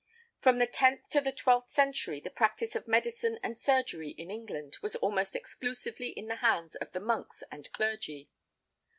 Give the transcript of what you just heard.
From the tenth to the twelfth century the practice of medicine and surgery, in England, was almost exclusively in the hands of the monks and clergy.